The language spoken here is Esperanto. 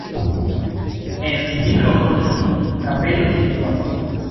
En tiu loko nun kapelo situas.